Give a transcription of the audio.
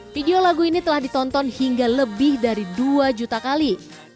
video lagu ini telah ditonton hingga lebih dari dua juta kali